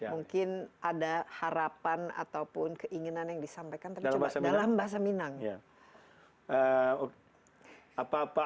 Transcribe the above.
mungkin ada harapan ataupun keinginan yang disampaikan dalam bahasa minang